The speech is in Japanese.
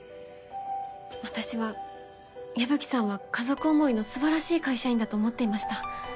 私は矢吹さんは家族思いのすばらしい会社員だと思っていました。